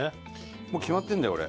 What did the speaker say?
もう決まってるんだよ俺。